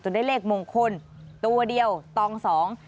ได้เลขมงคลตัวเดียวตองสอง